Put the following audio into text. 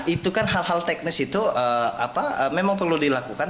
itu kan hal hal teknis itu memang perlu dilakukan